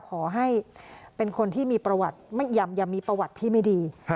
ขอให้เป็นคนที่มีประวัติอย่ามีประวัติที่ไม่ดี